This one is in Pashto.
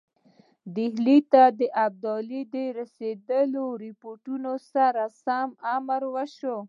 ډهلي ته د ابدالي د رسېدلو رپوټونو سره سم امر وشي.